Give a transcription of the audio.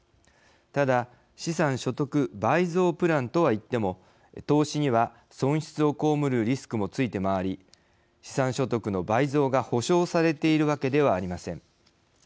ただ資産所得倍増プランとは言っても投資には損失を被るリスクもついて回り資産所得の倍増が保証されているわけではありません。